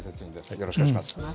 よろしくお願いします。